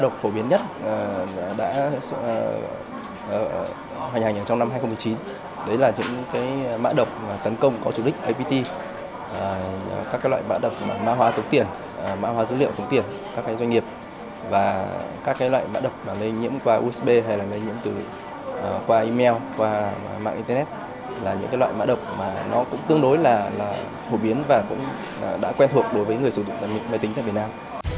các doanh nghiệp và các loại mã độc lây nhiễm qua usb hay lây nhiễm qua email qua mạng internet là những loại mã độc tương đối phổ biến và đã quen thuộc với người sử dụng máy tính việt nam